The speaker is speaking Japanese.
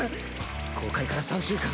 公開から３週間。